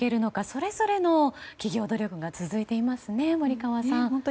それぞれの企業努力が続いていますね、森川さん。